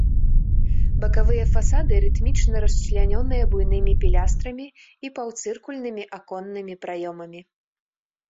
Бакавыя фасады рытмічна расчлянёныя буйнымі пілястрамі і паўцыркульнымі аконнымі праёмамі.